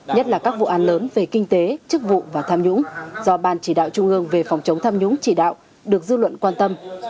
nhất là các vụ an lớn về kinh tế chức vụ và tham nhũng do ban chỉ đạo trung ương về phòng chống tham nhũng chỉ đạo được dư luận quan tâm